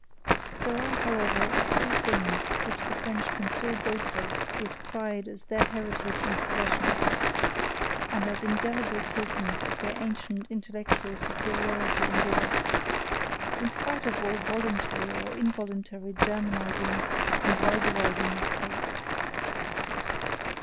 There are, however, three things which the French can still boast of with pride as their heritage and possession, and as indelible tokens of their ancient intellectual superiority in Europe, in spite of all voluntary or involuntary Germanizing and vulgarizing of taste.